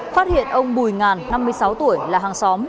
phát hiện ông bùi ngàn năm mươi sáu tuổi là hàng xóm